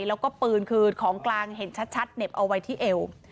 แล้วก็ปืนคือของกลางเห็นชัดเหน็บเอาไว้ที่เอว